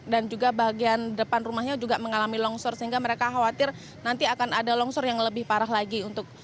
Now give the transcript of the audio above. dan juga bagian depan rumahnya juga mengalami longsor sehingga mereka khawatir nanti akan ada longsor yang lebih parah lagi